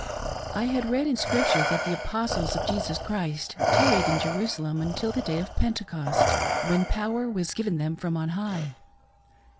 I had read in Scripture that the Apostles of Jesus Christ tarried in Jerusalem until, the day of Pentecost, when power was given them from on high.